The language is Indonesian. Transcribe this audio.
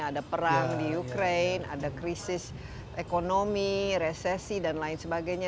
ada perang di ukraine ada krisis ekonomi resesi dan lain sebagainya